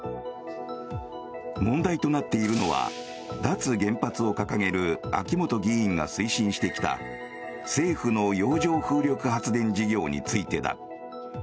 問題となっているのは脱原発を掲げる秋本議員が推進してきた政府の洋上風力発電事業についてだ。